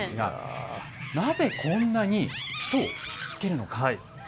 なぜこんなに人を引き付けるのか。